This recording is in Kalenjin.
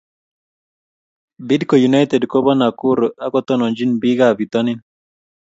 Bidco united ko pa nakuru ak tononchi pik ab pitonnin